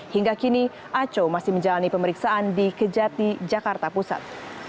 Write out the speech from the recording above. hingga kini aco masih menjalani pemeriksaan di kejati jakarta pusat